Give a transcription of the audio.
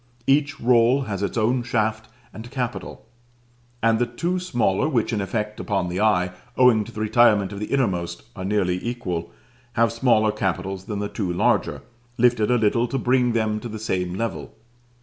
Each roll has its own shaft and capital; and the two smaller, which in effect upon the eye, owing to the retirement of the innermost, are nearly equal, have smaller capitals than the two larger, lifted a little to bring them to the same level.